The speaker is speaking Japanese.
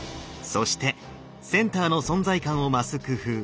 そしてセンターの存在感を増す工夫